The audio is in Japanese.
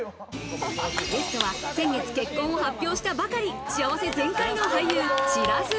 ゲストは先月結婚を発表したばかり、幸せ全開の俳優・白洲迅。